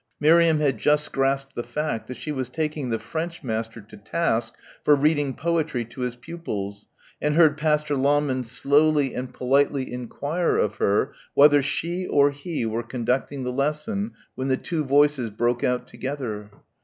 Miriam had just grasped the fact that she was taking the French master to task for reading poetry to his pupils and heard Pastor Lahmann slowly and politely enquire of her whether she or he were conducting the lesson when the two voices broke out together.